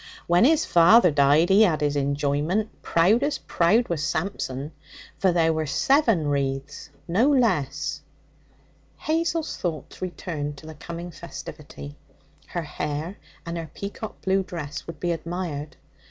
'When his father died he 'ad his enjoyment proud as proud was Samson, for there were seven wreaths, no less.' Hazel's thoughts returned to the coming festivity. Her hair and her peacock blue dress would be admired.